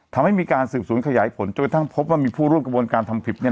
ทำให้มีการสืบสวนขยายผลจนกระทั่งพบว่ามีผู้ร่วมกระบวนการทำผิดเนี่ย